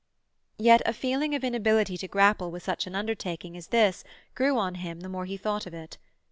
Yet a feeling of inability to grapple with such an undertaking as this grew on him the more he thought of it.